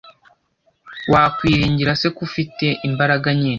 wakwiringira se ko ifite imbaraga nyinshi